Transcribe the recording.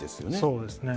そうですね。